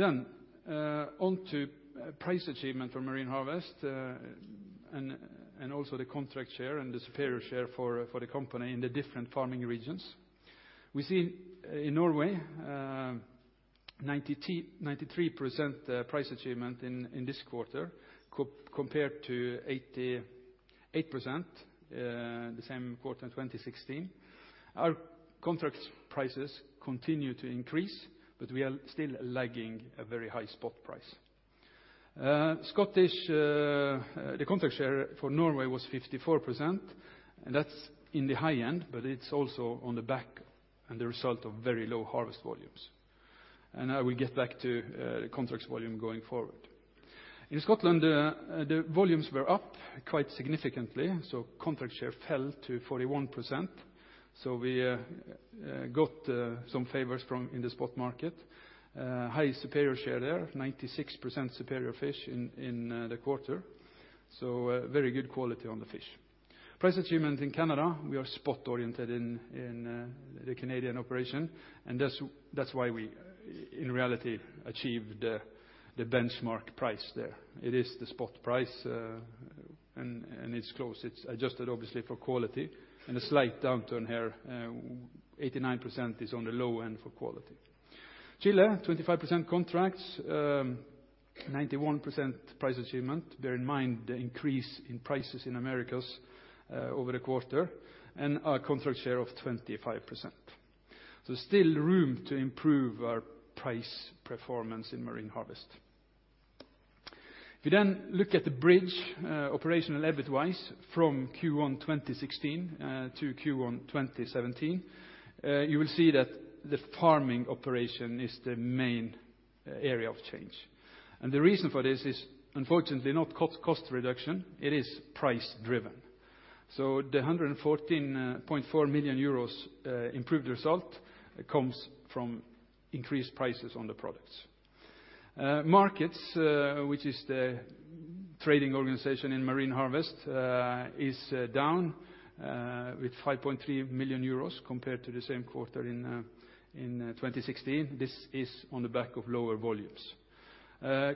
On to price achievement for Marine Harvest, and also the contract share and the superior share for the company in the different farming regions. We see in Norway, 93% price achievement in this quarter compared to 88% the same quarter 2016. Our contract prices continue to increase, but we are still lagging a very high spot price. The contract share for Norway was 54%, and that's in the high end, but it's also on the back and the result of very low harvest volumes. Now we get back to contract volume going forward. In Scotland, the volumes were up quite significantly, so contract share fell to 41%. We got some favors from in the spot market. High superior share there, 96% superior fish in the quarter. Very good quality on the fish. Price achievement in Canada, we are spot-oriented in the Canadian operation. That's why we in reality achieved the benchmark price there. It is the spot price. It's close. It's adjusted obviously for quality and a slight downturn here, 89% is on the low end for quality. Chile, 25% contracts, 91% price achievement. Bear in mind the increase in prices in Americas over the quarter and our contract share of 25%. Still room to improve our price performance in Marine Harvest. If you look at the bridge operational EBITDA from Q1 2016 to Q1 2017, you will see that the farming operation is the main area of change. The reason for this is unfortunately not cost reduction, it is price driven. The 114.4 million euros improved result comes from increased prices on the products. Markets, which is the trading organization in Marine Harvest, is down with 5.3 million euros compared to the same quarter in 2016. This is on the back of lower volumes.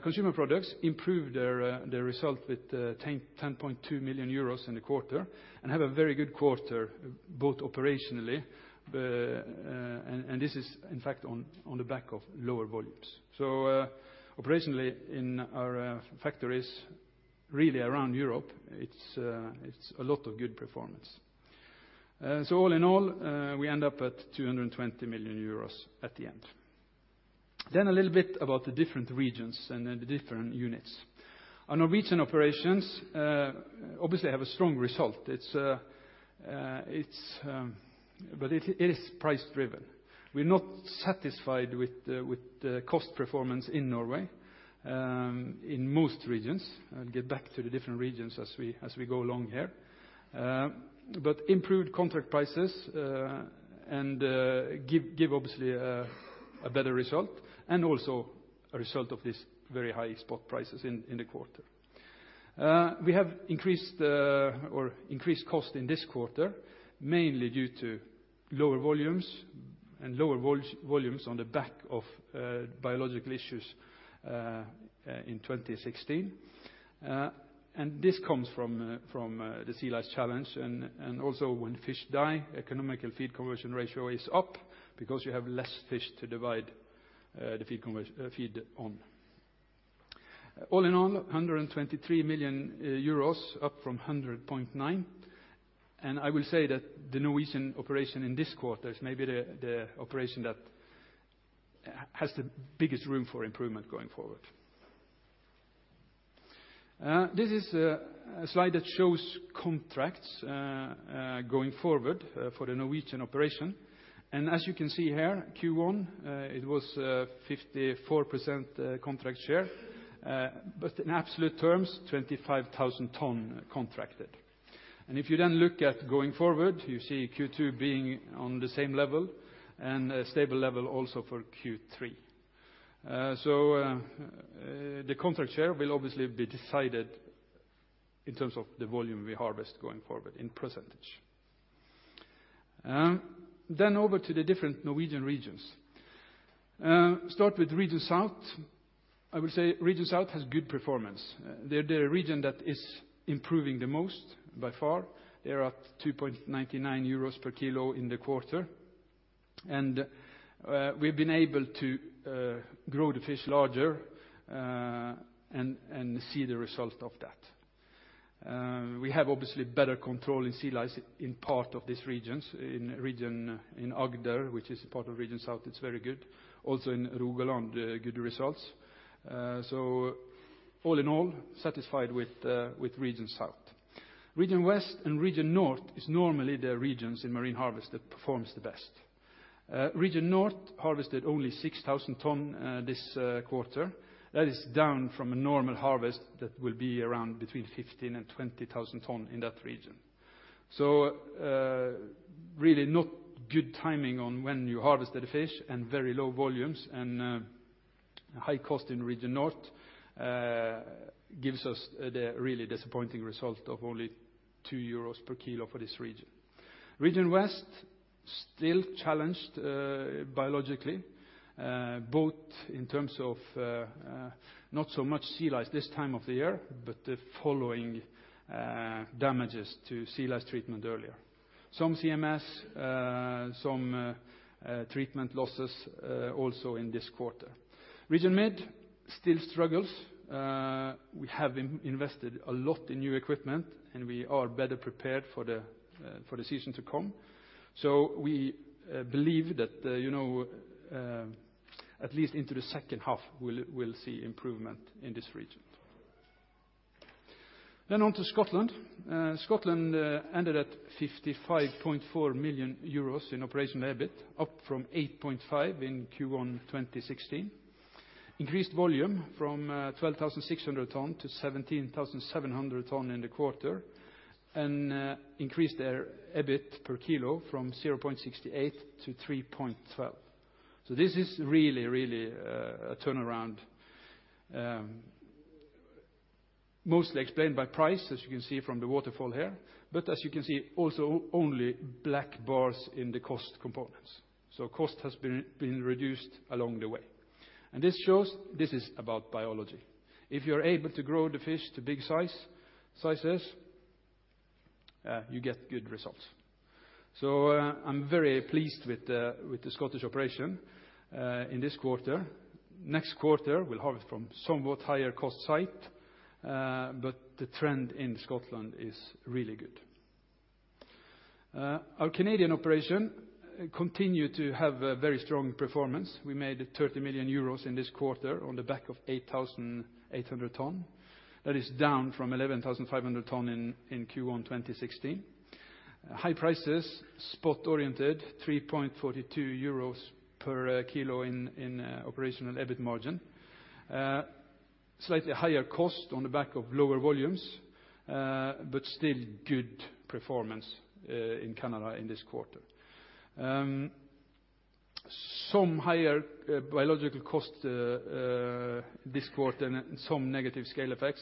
Consumer Products improved their result with 10.2 million euros in the quarter and have a very good quarter both operationally, and this is in fact on the back of lower volumes. Operationally in our factories, really around Europe, it's a lot of good performance. All in all, we end up at 220 million euros at the end. A little bit about the different regions and the different units. Our Norwegian operations obviously have a strong result. It is price driven. We're not satisfied with the cost performance in Norway, in most regions. I'll get back to the different regions as we go along here. Improved contract prices give obviously a better result and also a result of these very high spot prices in the quarter. We have increased costs in this quarter, mainly due to lower volumes and lower volumes on the back of biological issues in 2016. This comes from the sea lice challenge and also when fish die, feed conversion ratio is up because you have less fish to divide the feed on. All in all, 123 million euros up from 100.9 million. I will say that the Norwegian operation in this quarter is maybe the operation that has the biggest room for improvement going forward. This is a slide that shows contracts going forward for the Norwegian operation. As you can see here, Q1, it was 54% contract share, but in absolute terms, 25,000 tonnes contracted. If you look at going forward, you see Q2 being on the same level and a stable level also for Q3. The contract share will obviously be decided in terms of the volume we harvest going forward in %. Over to the different Norwegian regions. Start with Region South. I would say Region South has good performance. They're the region that is improving the most by far. They're at 2.99 euros per kilo in the quarter. We've been able to grow the fish larger and see the result of that. We have obviously better control in sea lice in part of these regions, in Agder, which is part of Region South, it's very good. Also in Rogaland, good results. All in all, satisfied with Region South. Region West and Region North is normally the regions in Marine Harvest that performs the best. Region North harvested only 6,000 tonnes this quarter. That is down from a normal harvest that will be around between 15,000 and 20,000 tonnes in that region. Really not good timing on when you harvested the fish, and very low volumes and high cost in Region North gives us the really disappointing result of only 2 euros per kilo for this region. Region West. Still challenged biologically, both in terms of not so much sea lice this time of the year, but the following damages to sea lice treatment earlier. Some CMS, some treatment losses also in this quarter. Region Mid still struggles. We have invested a lot in new equipment, and we are better prepared for the season to come. We believe that at least into the H2 we'll see improvement in this region. On to Scotland. Scotland ended at 55.4 million euros in operational EBIT, up from 8.5 million in Q1 2016. Increased volume from 12,600 tons to 17,700 tons in the quarter increased their EBIT per kilo from 0.68 to 3.12. This is really a turnaround, mostly explained by price, as you can see from the waterfall here. As you can see, also only black bars in the cost components. Cost has been reduced along the way. This shows this is about biology. If you're able to grow the fish to big sizes, you get good results. I'm very pleased with the Scottish operation in this quarter. Next quarter, we have it from somewhat higher cost site, but the trend in Scotland is really good. Our Canadian operation continued to have a very strong performance. We made 30 million euros in this quarter on the back of 8,800 tons. That is down from 11,500 tons in Q1 2016. High prices, spot-oriented, 3.42 euros per kilo in operational EBIT margin. Slightly higher cost on the back of lower volumes, but still good performance in Canada in this quarter. Some higher biological cost this quarter and some negative scale effects,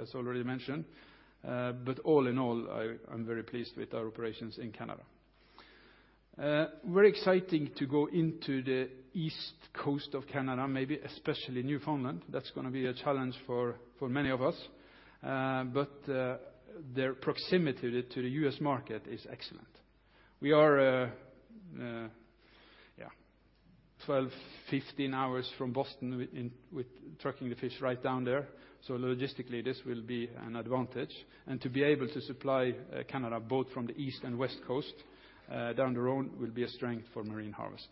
as already mentioned. All in all, I'm very pleased with our operations in Canada. Very exciting to go into the east coast of Canada, maybe especially Newfoundland. That's going to be a challenge for many of us. Their proximity to the U.S. market is excellent. We are 12, 15 hours from Boston with trucking the fish right down there, so logistically this will be an advantage. To be able to supply Canada both from the east and west coast down the road will be a strength for Marine Harvest.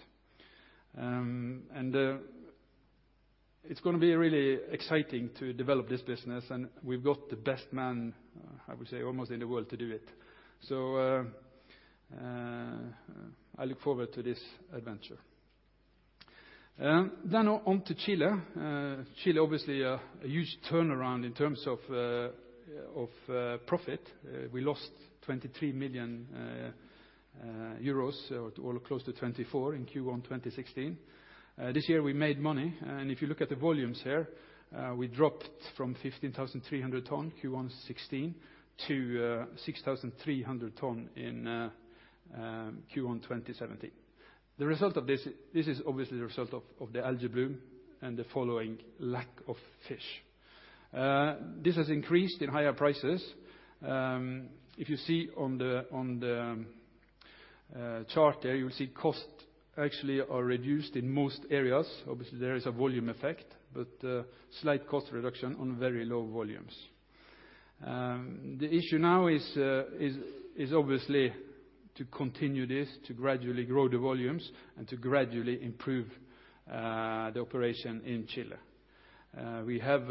It's going to be really exciting to develop this business, and we've got the best man, I would say, almost in the world to do it. I look forward to this adventure. On to Chile. Chile, obviously, a huge turnaround in terms of profit. We lost 23 million euros, or close to 24 million, in Q1 2016. This year, we made money, if you look at the volumes here, we dropped from 15,300 ton Q1 2016 to 6,300 ton in Q1 2017. The result of this is obviously the result of the algal bloom and the following lack of fish. This has increased in higher prices. If you see on the chart there, you see cost actually are reduced in most areas. Obviously, there is a volume effect, but slight cost reduction on very low volumes. The issue now is obviously to continue this, to gradually grow the volumes, and to gradually improve the operation in Chile. We have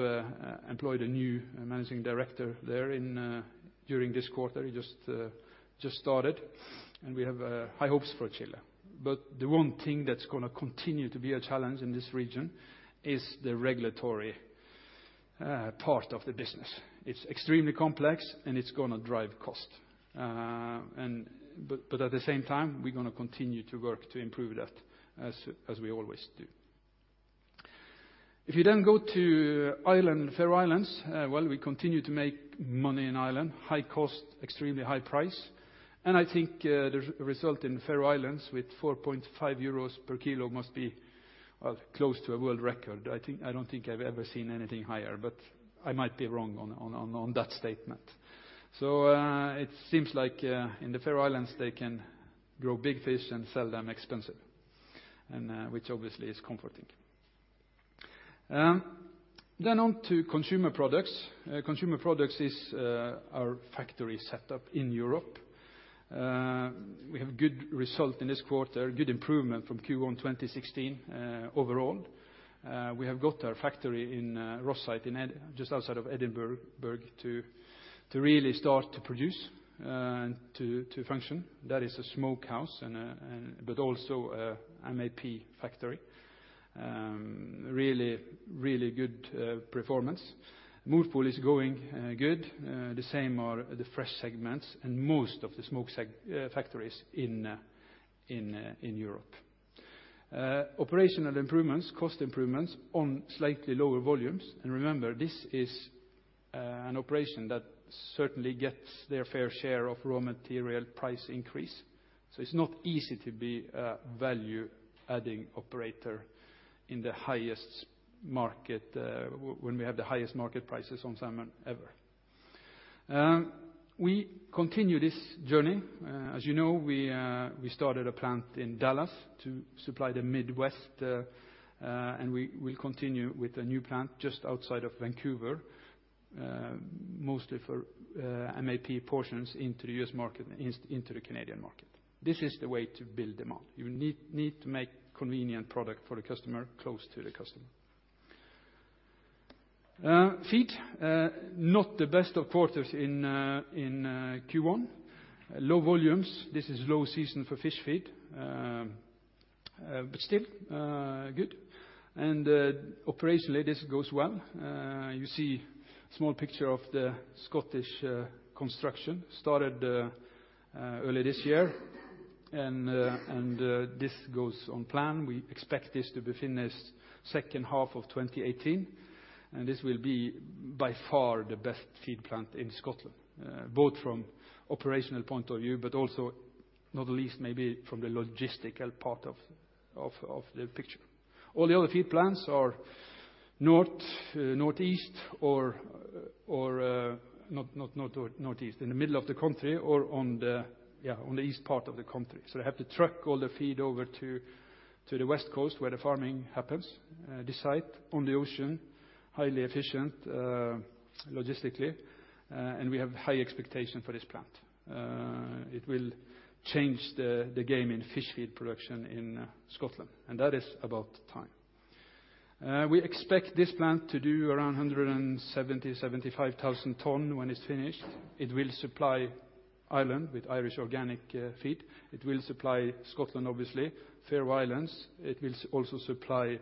employed a new managing director there during this quarter, he just started, and we have high hopes for Chile. The one thing that's going to continue to be a challenge in this region is the regulatory part of the business. It's extremely complex and it's going to drive cost. At the same time, we're going to continue to work to improve that, as we always do. If you go to Ireland and Faroe Islands, well, we continue to make money in Ireland. High cost, extremely high price. I think the result in the Faroe Islands with 4.5 euros per kilo must be close to a world record. I don't think I've ever seen anything higher, but I might be wrong on that statement. It seems like in the Faroe Islands, they can grow big fish and sell them expensive, which obviously is comforting. On to Consumer Products. Consumer Products is our factory set up in Europe. We have good result in this quarter, good improvement from Q1 2016 overall. We have got our factory in Rosyth, just outside of Edinburgh, to really start to produce and to function. That is a smokehouse, but also an MAP factory. Really good performance. [inaudible] is going good. The same are the fresh segments and most of the smoke factories in Europe. Operational improvements, cost improvements on slightly lower volumes. Remember, this is an operation that certainly gets their fair share of raw material price increase. It's not easy to be a value-adding operator when we have the highest market prices on salmon ever. We continue this journey. As you know, we started a plant in Dallas to supply the Midwest. We will continue with a new plant just outside of Vancouver, mostly for MAP portions into the U.S. market and into the Canadian market. This is the way to build demand. You need to make convenient product for the customer, close to the customer. Feed, not the best of quarters in Q1. Low volumes. This is low season for fish feed, still good. Operationally, this goes well. You see small picture of the Scottish construction, started early this year and this goes on plan. We expect this to be finished H2 of 2018, and this will be by far the best feed plant in Scotland, both from operational point of view, but also not least maybe from the logistical part of the picture. All the other feed plants are north, northeast or in the middle of the country or on the east part of the country. They have to truck all the feed over to the west coast where the farming happens. This site on the ocean, highly efficient, logistically, and we have high expectations for this plant. It will change the game in fish feed production in Scotland, and that is about time. We expect this plant to do around 170,000-175,000 tons when it is finished. It will supply Ireland with Irish organic feed. It will supply Scotland, obviously, Faroe Islands. It will also supply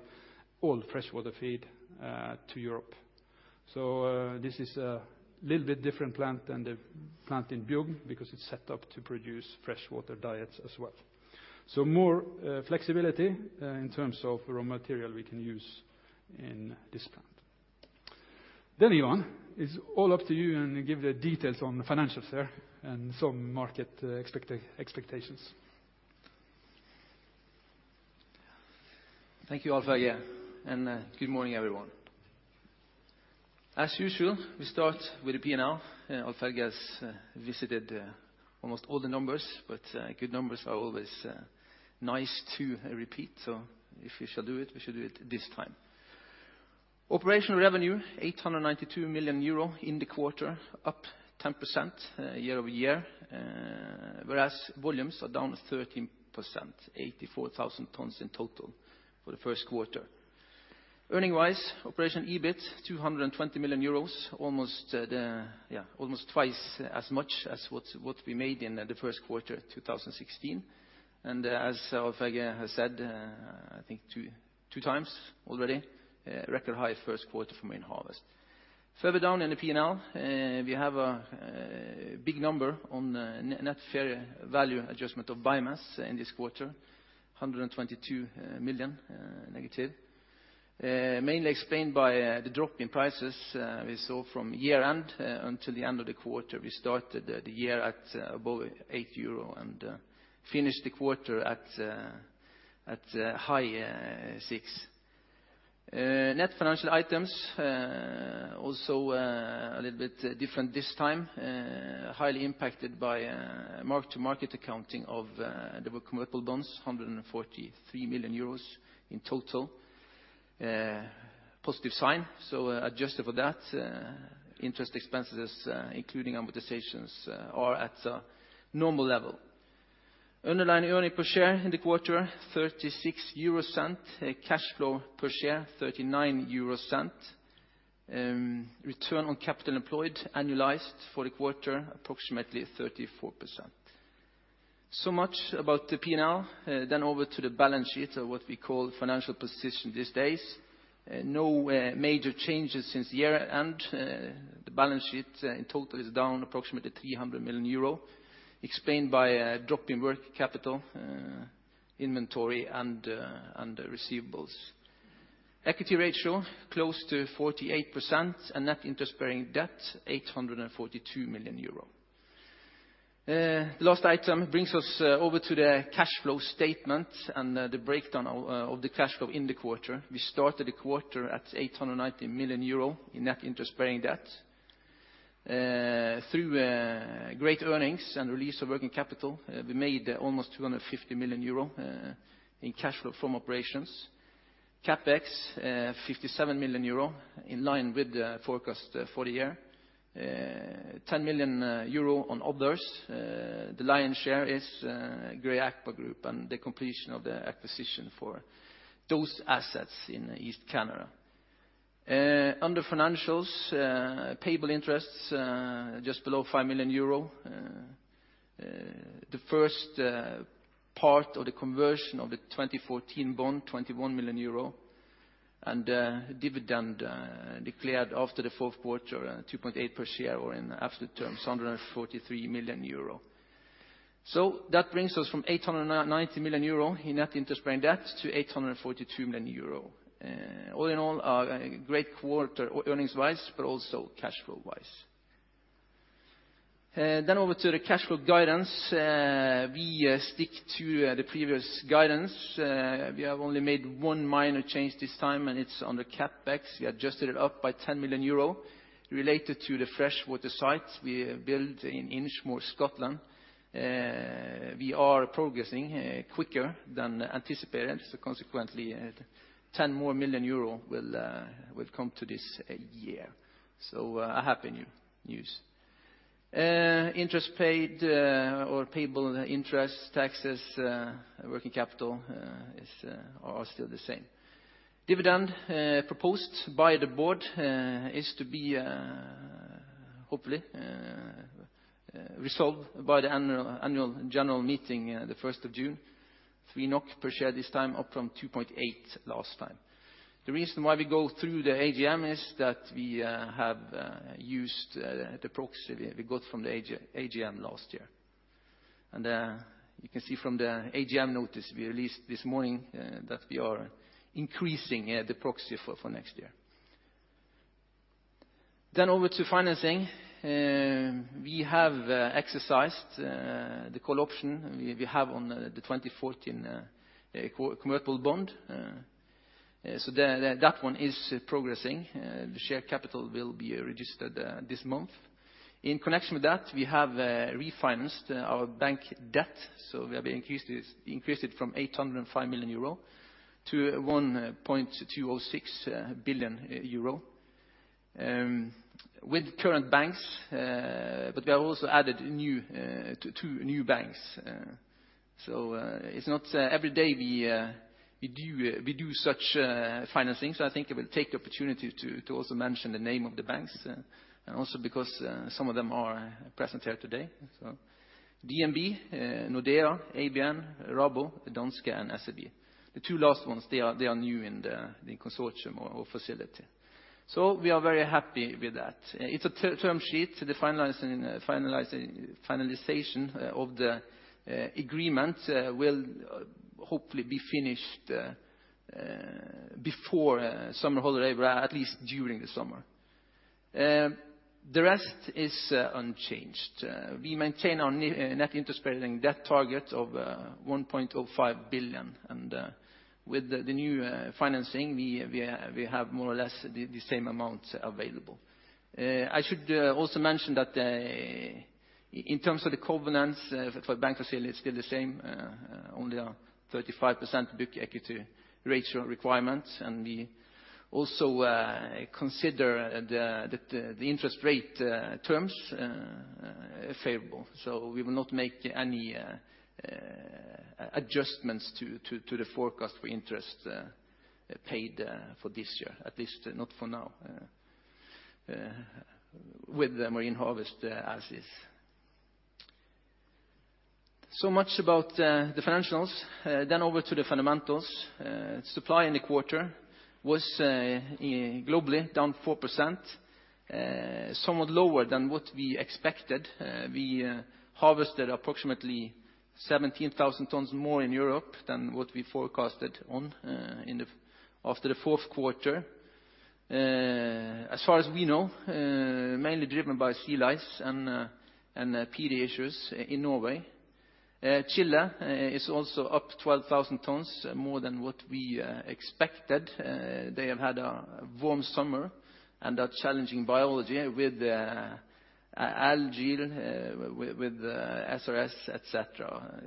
all freshwater feed to Europe. This is a little bit different plant than the plant in Bjugn because it is set up to produce freshwater diets as well. More flexibility in terms of raw material we can use in this plant. Ivan, it's all up to you and give the details on the financials there and some market expectations. Thank you, Alf-Helge. Good morning, everyone. As usual, we start with the P&L. Alf has visited almost all the numbers, but good numbers are always nice to repeat, so if we shall do it, we should do it this time. Operational revenue, 892 million euro in the quarter, up 10% year-over-year. Whereas volumes are down 13%, 84,000 tons in total for the Q1. Earning-wise, operation EBIT, 220 million euros, almost 2x as much as what we made in the Q1 2016. As Alf has said, I think 2x already, record high Q1 for Marine Harvest. Further down in the P&L, we have a big number on net fair value adjustment of biomass in this quarter, 122 million negative. Mainly explained by the drop in prices we saw from year-end until the end of the quarter. We started the year at above 8 euro and finished the quarter at 6. Net financial items, also a little bit different this time. Highly impacted by mark-to-market accounting of the convertible bonds, 143 million euros in total. A positive sign. Adjusted for that, interest expenses including amortizations are at normal level. Underlying earning per share in the quarter, 0.36. Cash flow per share, 0.39. Return on capital employed, annualized for the quarter, approximately 34%. Much about the P&L. Over to the balance sheet, or what we call financial position these days. No major changes since year-end. The balance sheet in total is down approximately 300 million euro, explained by a drop in working capital, inventory and receivables. Equity ratio, close to 48%, and net interest-bearing debt, 842 million euro. The last item brings us over to the cash flow statement and the breakdown of the cash flow in the quarter. We started the quarter at 890 million euro in net interest-bearing debt. Through great earnings and release of working capital, we made almost 250 million euro in cash flow from operations. CapEx, 57 million euro, in line with the forecast for the year. 10 million euro on others. The lion's share is Gray Aqua Group and the completion of the acquisition for those assets in East Canada. Under financials, payable interests, just below 5 million euro. The first part of the conversion of the 2014 convertible bond, 21 million euro. Dividend declared after the Q4, 2.8 per share, or in absolute terms, 143 million euro. That brings us from 890 million euro in net interest-bearing debt to 842 million euro. All in all, a great quarter earnings-wise, but also cash flow-wise. Over to the cash flow guidance. We stick to the previous guidance. We have only made one minor change this time, and it's on the CapEx. We adjusted it up by 10 million euro related to the freshwater site we built in Inchmore, Scotland. We are progressing quicker than anticipated, so consequently, 10 million euro more will come to this year. Happy news. Interest paid or payable interest, taxes, working capital are still the same. Dividend proposed by the board is to be, hopefully, resolved by the annual general meeting on the 1st of June. 3 NOK per share this time, up from 2.8 last time. The reason why we go through the AGM is that we have used the proxy we got from the AGM last year. You can see from the AGM notice we released this morning that we are increasing the proxy for next year. Over to financing. We have exercised the call option we have on the 2014 convertible bond. That one is progressing. The share capital will be registered this month. In connection with that, we have refinanced our bank debt, we have increased it from 805 million euro to 1.206 billion euro with current banks. We have also added two new banks. It's not every day we do such financing. I think I will take the opportunity to also mention the name of the banks, and also because some of them are present here today. DNB, Nordea, ABN, Rabo, Danske, and SEB. The two last ones, they are new in the consortium or facility. We are very happy with that. It's a term sheet. The finalization of the agreement will hopefully be finished before summer holiday, or at least during the summer. The rest is unchanged. We maintain our net interest-bearing debt target of 1.05 billion. With the new financing, we have more or less the same amount available. I should also mention that in terms of the covenants for the bank facility, it's still the same. Only a 35% book equity ratio requirement. We also consider the interest rate terms favorable. We will not make any adjustments to the forecast for interest paid for this year, at least not for now, with Marine Harvest as is. Much about the financials. Over to the fundamentals. Supply in the quarter was globally down 4%, somewhat lower than what we expected. We harvested approximately 17,000 tonnes more in Europe than what we forecasted on after the Q4. As far as we know, mainly driven by sea lice and PD issues in Norway. Chile is also up 12,000 tons, more than what we expected. They have had a warm summer and a challenging biology with algae, with SRS, et cetera.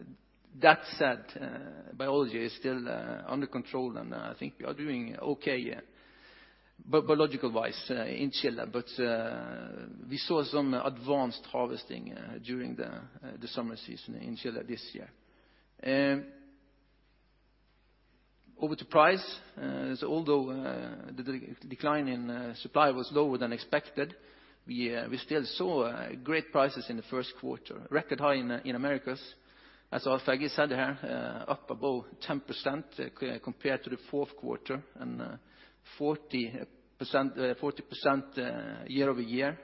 That said, biology is still under control, and I think we are doing okay biological-wise in Chile. We saw some advanced harvesting during the summer season in Chile this year. Over to price. Although the decline in supply was lower than expected, we still saw great prices in the Q1. Record high in Americas. As Alf-Helge said here, up above 10% compared to the Q4 and 40% year-over-year.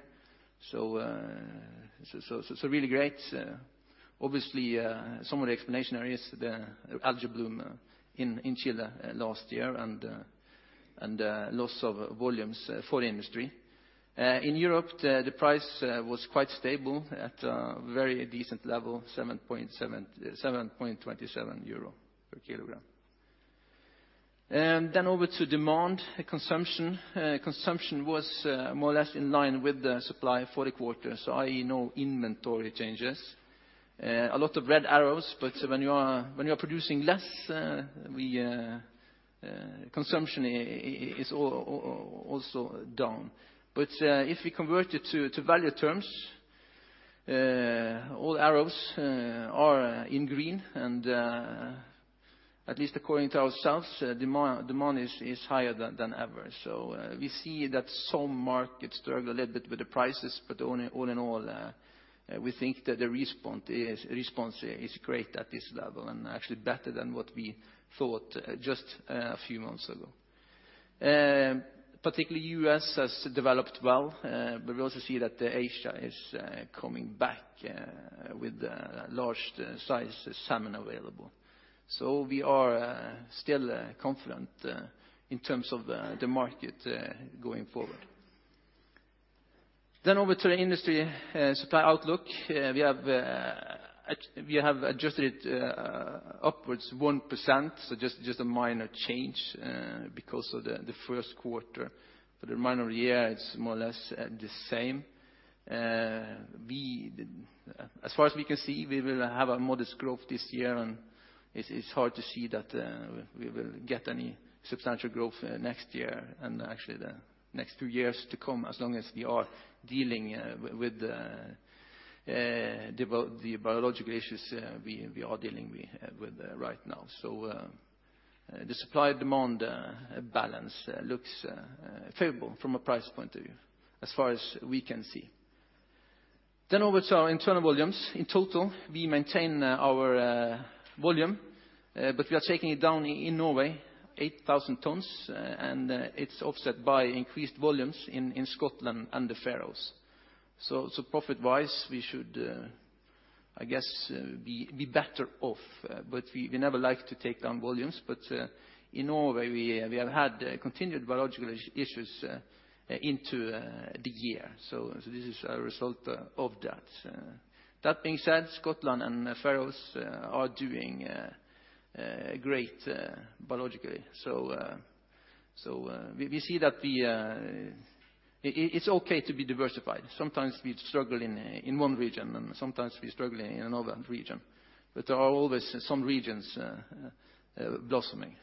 Really great. Obviously, some of the explanation is the algae bloom in Chile last year and loss of volumes for the industry. In Europe, the price was quite stable at a very decent level, 7.27 euro per kilogram. Over to demand. Consumption was more or less in line with the supply for the quarter, so i.e., no inventory changes. A lot of red arrows, but when you are producing less, consumption is also down. If we convert it to value terms, all arrows are in green, and at least according to ourselves, demand is higher than ever. We see that some markets struggle a little bit with the prices, but all in all, we think that the response is great at this level and actually better than what we thought just a few months ago. Particularly U.S. has developed well. We also see that Asia is coming back with large size salmon available. We are still confident in terms of the market going forward. Over to the industry supply outlook. We have adjusted upwards 1%, so just a minor change because of the Q1. The [inaudible] year, it's more or less the same. As far as we can see, we will have a modest growth this year, and it's hard to see that we will get any substantial growth next year and actually the next few years to come, as long as we are dealing with the biological issues we are dealing with right now. The supply-demand balance looks favorable from a price point of view as far as we can see. Over to our internal volumes. In total, we maintain our volume, but we are taking it down in Norway 8,000 tonnes, and it's offset by increased volumes in Scotland and the Faroes. Profit-wise, we should, I guess, be better off. We never like to take down volumes. In Norway, we have had continued biological issues into this year. This is a result of that. That being said, Scotland and Faroes are doing great biologically. We see that it's okay to be diversified. Sometimes we struggle in one region, and sometimes we struggle in another region, but always some regions are blossoming.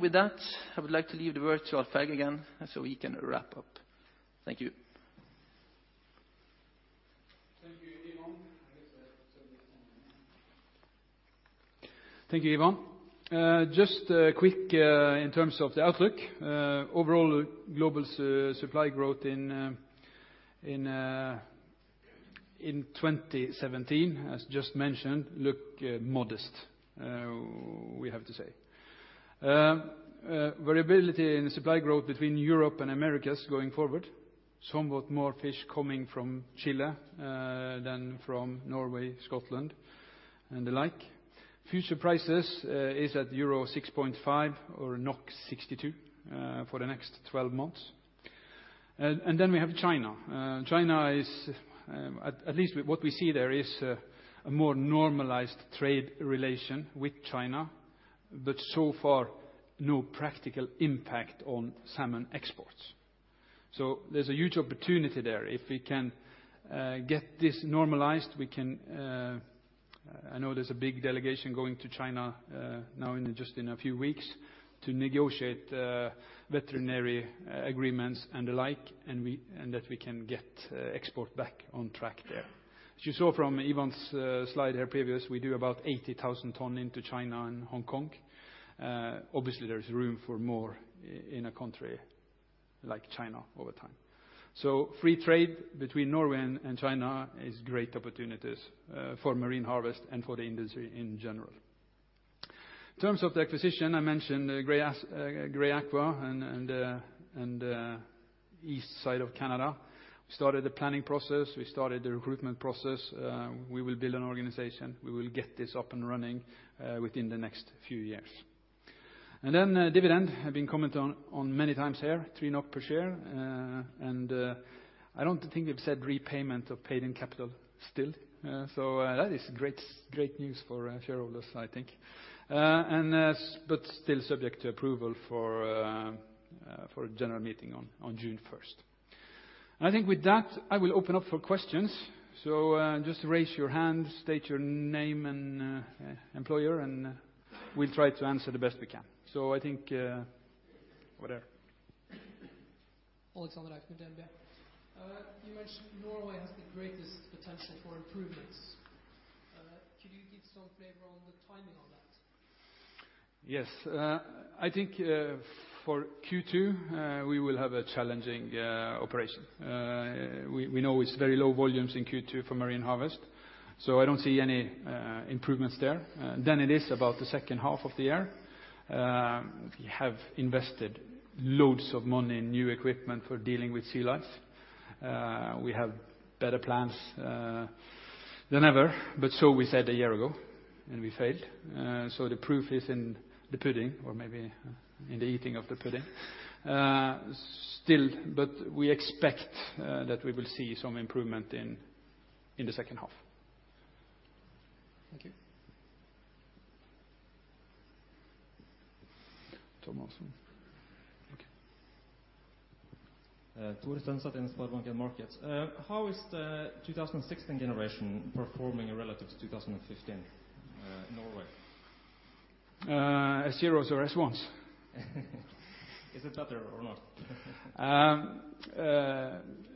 With that, I would like to leave the virtual flag again so we can wrap up. Thank you. Thank you, Ivan. Just quick in terms of the outlook. Overall, global supply growth in 2017, as just mentioned, look modest, we have to say. Variability in supply growth between Europe and Americas going forward, somewhat more fish coming from Chile than from Norway, Scotland, and the like. Future prices is at euro 6.5 or 62 for the next 12 months. We have China. At least what we see there is a more normalized trade relation with China, but so far, no practical impact on salmon exports. There's a huge opportunity there. If we can get this normalized, we can I know there's a big delegation going to China now in just in a few weeks to negotiate veterinary agreements and the like, and that we can get export back on track there. As you saw from Ivan's slide here previous, we do about 80,000 tonnes into China and Hong Kong. Obviously, there's room for more in a country like China over time. Free trade between Norway and China is great opportunities for Marine Harvest and for the industry in general. In terms of the acquisition, I mentioned Gray Aqua and the east side of Canada. We started the planning process. We started the recruitment process. We will build an organization. We will get this up and running within the next few years. Dividend had been commented on many times here, 3 NOK per share. I don't think I've said repayment of paid in capital still. That is great news for our shareholders, I think, but still subject to approval for general meeting on June 1st. I think with that, I will open up for questions. Just raise your hand, state your name and employer, and we'll try to answer the best we can. So, I think Ole. Ole Sandberg. You mentioned Norway has the greatest potential for improvements. Could you give some flavor on the timing on that? Yes. I think for Q2, we will have a challenging operation. We know it's very low volumes in Q2 for Marine Harvest, so I don't see any improvements there. It is about the H2 of the year. We have invested loads of money in new equipment for dealing with sea lice. We have better plans than ever, but so we said a year ago, and we failed. The proof is in the pudding, or maybe in the eating of the pudding. Still, we expect that we will see some improvement in the H2. Thank you. [inaudible] Thor Isaksen, SpareBank 1 Markets. How is the 2016 generation performing relative to 2015 Norway? S0 or S1s? Is it that or not?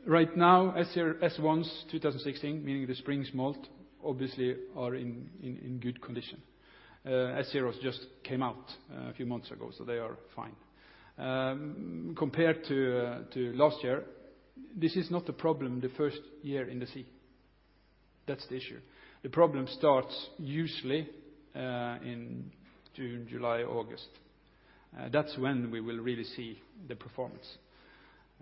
Right now, S1s 2016, meaning the spring smolt, obviously are in good condition. S0 just came out a few months ago, so they are fine. Compared to last year, this is not a problem the first year in the sea. That's the issue. The problem starts usually in June, July, August. That's when we will really see the performance.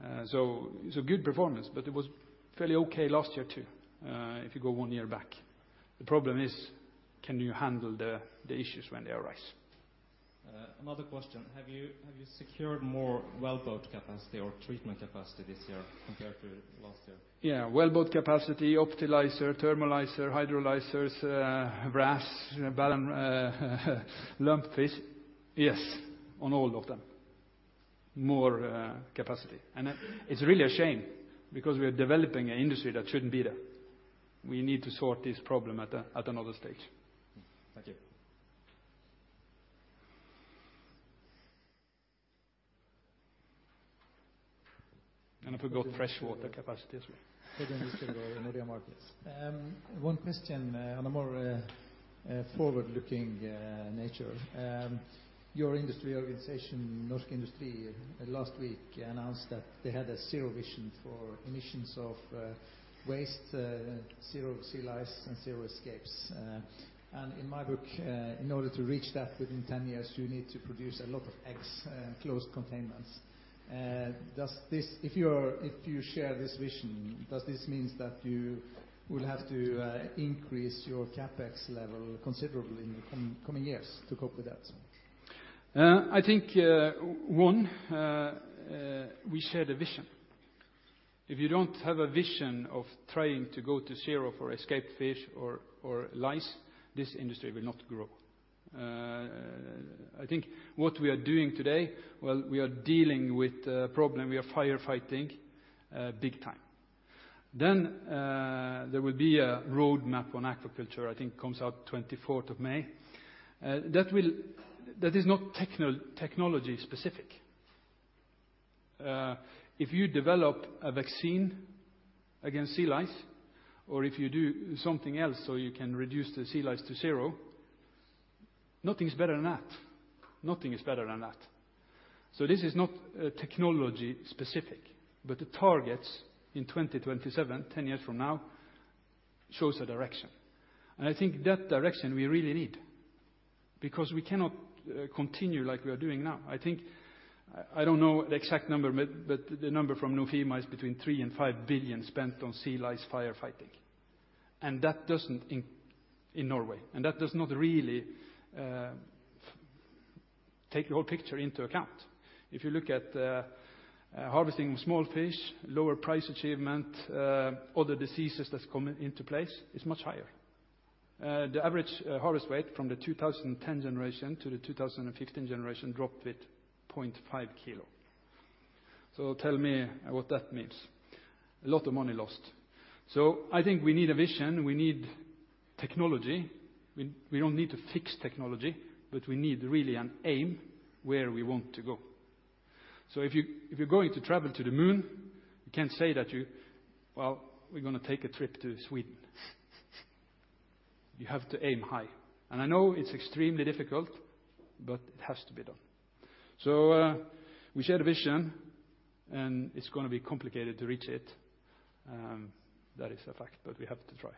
It's a good performance, but it was fairly okay last year, too, if you go one year back. The problem is, can you handle the issues when they arise? Another question. Have you secured more wellboat capacity or treatment capacity this year compared to last year? Yeah. Wellboat capacity, Optilicer, Thermolicer, Hydrolicers, wrasse, lumpfish. Yes, on all of them. More capacity. It's really a shame because we are developing an industry that shouldn't be there. We need to sort this problem at another stage. Thank you. We forgot freshwater capacity. Head Industry Norwegian Markets. One question on a more forward-looking nature. Your industry organization, Sjømat Norge, last week announced that they had a zero vision for emissions of waste, zero sea lice, and zero escapes. In my book, in order to reach that within 10 years, you need to produce a lot of eggs, closed containments. If you share this vision, does this means that you will have to increase your CapEx level considerably in the coming years to cope with that? I think, one, we share the vision. If you don't have a vision of trying to go to zero for escaped fish or lice, this industry will not grow. I think what we are doing today, well, we are dealing with the problem. We are firefighting big time. There will be a roadmap on aquaculture, I think comes out 24th of May. That is not technology specific. If you develop a vaccine against sea lice or if you do something else so you can reduce the sea lice to zero, nothing's better than that. This is not technology specific. The targets in 2027, 10 years from now, shows a direction. I think that direction we really need because we cannot continue like we are doing now. I don't know the exact number, but the number from Grieg Seafood is between 3 billion and 5 billion spent on sea lice firefighting in Norway. That does not really take the whole picture into account. If you look at the harvesting small fish, lower price achievement, other diseases that's coming into place, it's much higher. The average harvest weight from the 2010 generation to the 2015 generation dropped with 0.5 kilo. Tell me what that means. A lot of money lost. I think we need a vision. We need technology. We don't need a fixed technology, we need really an aim where we want to go. If you're going to travel to the moon, you can't say that you, "Well, we're going to take a trip to Sweden." You have to aim high. I know it's extremely difficult, it has to be done. We share the vision, and it's going to be complicated to reach it. That is a fact, but we have to try.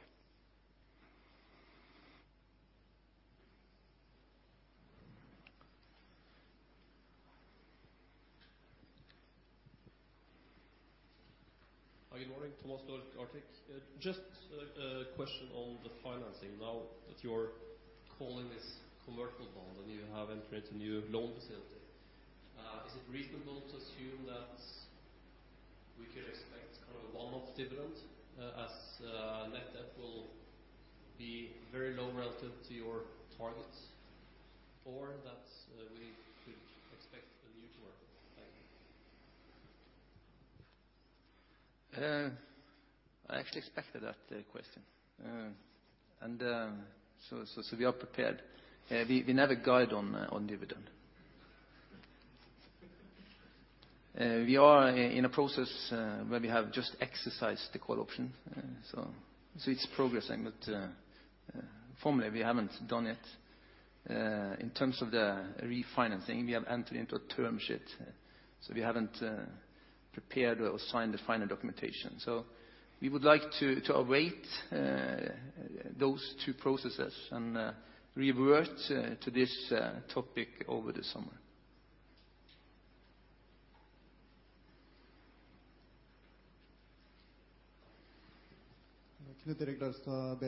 Hi, [inaudible] Thomas with Arctic. Just a question on the financing now that you are calling this convertible bond and you have entered a new loan facility. Is it reasonable to assume that we can expect a one-off dividend as net debt will be very low relative to your targets, or that we could expect a new quarter of payment? I actually expected that question. We are prepared. We never guide on dividend. We are in a process where we have just exercised the call option. It's progressing, but formally, we haven't done it. In terms of the refinancing, we have entered into a term sheet, so we haven't prepared or signed the final documentation. We would like to await those two processes and revert to this topic over the summer. [inaudible] Could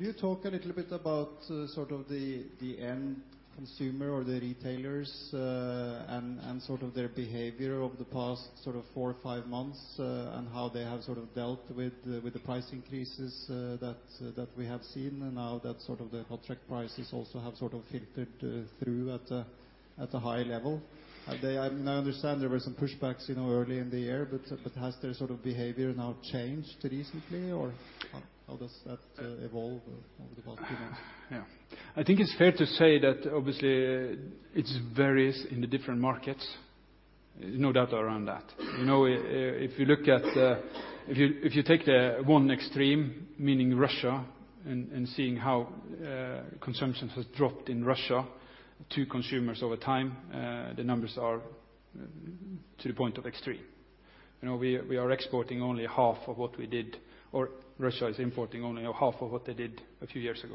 you talk a little bit about sort of the end consumer or the retailers, and sort of their behavior over the past sort of four or five months, and how they have sort of dealt with the price increases that we have seen now that sort of the contract prices also have sort of filtered through at a high level? I understand there were some pushbacks early in the year, has their sort of behavior now changed recently, or how does that evolve over the coming months? Yeah. I think it's fair to say that obviously it varies in the different markets. No doubt around that. If you take one extreme, meaning Russia, and seeing how consumption has dropped in Russia to consumers over time, the numbers are to the point of extreme. We are exporting only half of what we did, or Russia is importing only half of what they did a few years ago.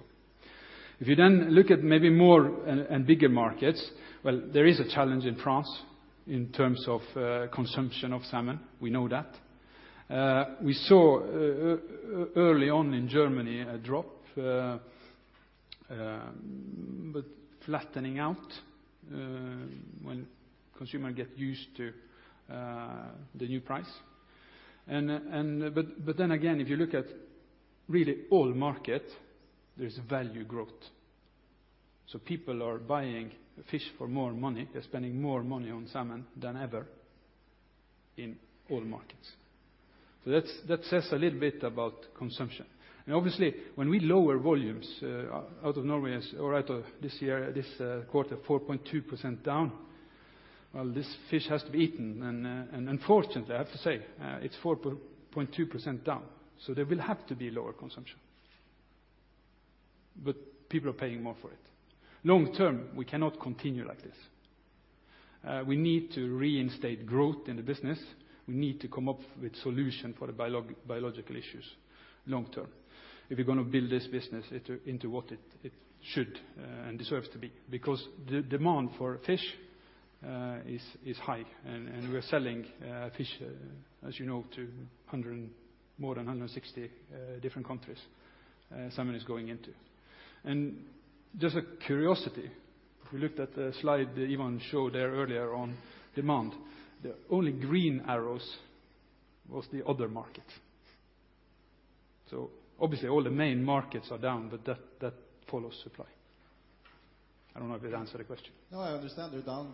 If you look at maybe more and bigger markets, well, there is a challenge in France in terms of consumption of salmon. We know that. We saw early on in Germany a drop, flattening out when consumer get used to the new price. Again, if you look at really all markets, there's value growth. People are buying fish for more money. They're spending more money on salmon than ever in all markets. That says a little bit about consumption. Obviously, when we lower volumes out of Norway or out of this year, this quarter 4.2% down, well, this fish has to be eaten and unfortunately, I have to say it's 4.2% down, so there will have to be lower consumption. People are paying more for it. Long term, we cannot continue like this. We need to reinstate growth in the business. We need to come up with solution for the biological issues long term if we're going to build this business into what it should and deserves to be because the demand for fish is high and we're selling fish, as you know, to more than 160 different countries salmon is going into. Just a curiosity, if we looked at the slide that Ivan showed there earlier on demand, the only green arrows was the other market. Obviously all the main markets are down, but that follows supply. I don't know if that answered the question. I understand they're down,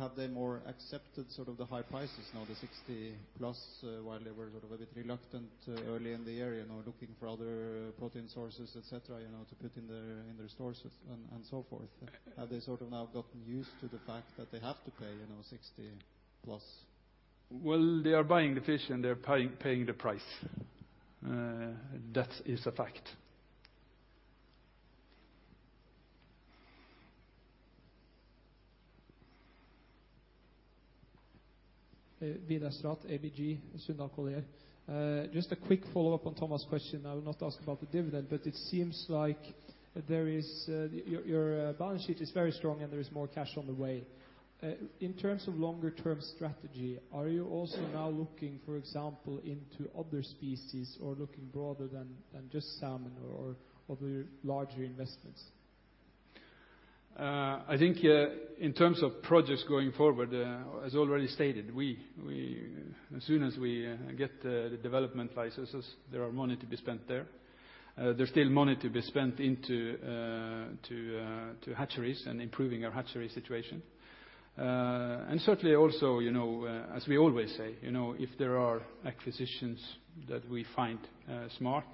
have they more accepted the high prices now, the 60+, while they were sort of reluctant early in the year, looking for other protein sources, et cetera, to put in their sources and so forth? Have they now gotten used to the fact that they have to pay 60+? Well, they are buying the fish and they're paying the price. That is a fact. [Lina] Straat, ABG Sundal Collier. Just a quick follow-up on Thomas' question. I will not ask about the dividend, but it seems like your balance sheet is very strong and there's more cash on the way. In terms of longer-term strategy, are you also now looking, for example, into other species or looking broader than just salmon or other larger investments? I think in terms of projects going forward, as already stated, as soon as we get the development licenses, there are money to be spent there. There's still money to be spent into hatcheries and improving our hatchery situation. Certainly also as we always say, if there are acquisitions that we find smart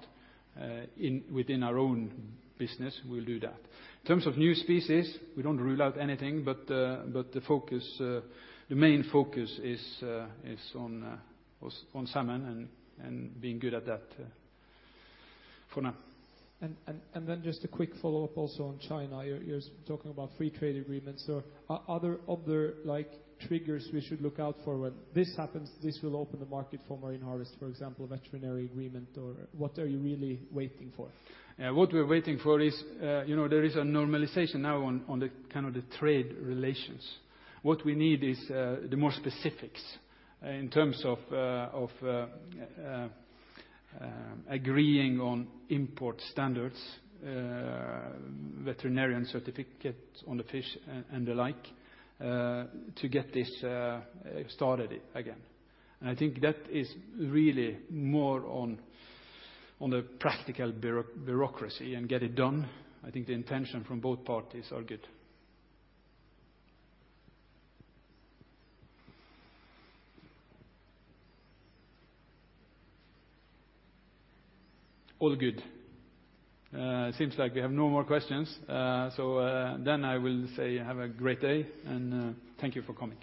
within our own business, we'll do that. In terms of new species, we don't rule out anything but the main focus is on salmon and being good at that for now. Just a quick follow-up also on China. You're talking about free trade agreements. Are there other triggers we should look out for? When this happens, this will open the market for Marine Harvest, for example, veterinary agreement or what are you really waiting for? What we are waiting for is there is a normalization now on the kind of the trade relations. What we need is the more specifics in terms of agreeing on import standards, veterinarian certificates on the fish and the like, to get this started again. I think that is really more on a practical bureaucracy and get it done. I think the intention from both parties are good. All good. Seems like we have no more questions. Then I will say have a great day and thank you for coming.